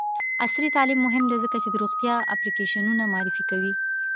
عصري تعلیم مهم دی ځکه چې د روغتیا اپلیکیشنونه معرفي کوي.